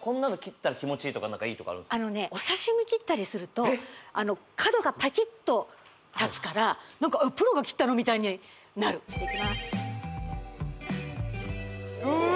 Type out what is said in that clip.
こんなの切ったら気持ちいいとかあのねお刺身切ったりすると角がパキッと立つから何かプロが切ったの？みたいになるいきますうわ！